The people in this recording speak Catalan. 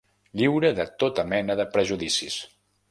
Lliure de tota mena de prejudicis.